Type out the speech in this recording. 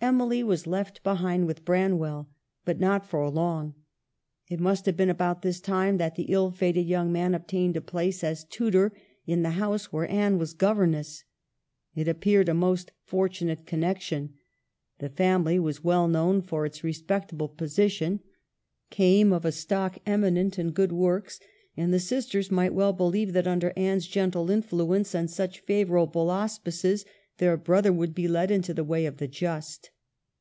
Emily was left behind with Branwell ; but not for long. It must have been about this time that the ill fated young man obtained a place as tutor in the house where Anne was governess. It appeared a most fortunate connection ; the family was well known for its respectable posi tion, came of a stock eminent in good works, and the sisters might well believe that, under Anne's gentle influence and such favoring auspices, their brother would be led into the way of the just.